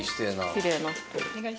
きれいな人。